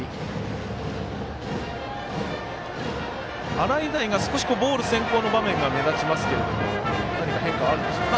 洗平が少しボール先行の場面が目立ちますけれども何か変化あるんでしょうかね。